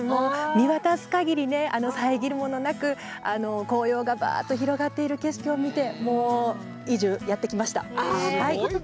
見渡すかぎり、遮るものなく紅葉がばっと広がっている景色を見てもう移住、やってきました。